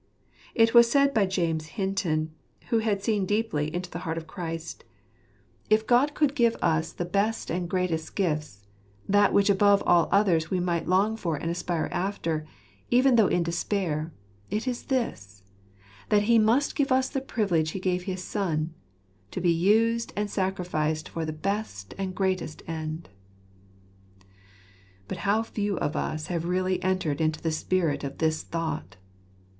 It was said by James Hinton, who had seen deeply into the heart of Christ, " If God &elf Sacrifice, 163 could give us the best and greatest gift, that which above all others we might long for and aspire after, even though in despair, it is this — that He must give us the privilege He gave his Son, to be used and sacrificed for the best and greatest end." But how few of us have really entered into the spirit of this thought